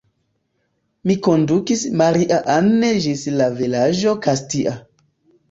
Mi kondukis Maria-Ann ĝis la vilaĝo Kastia.